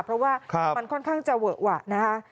เพราะว่ามันค่อนข้างจะเวอะหวะนะคะ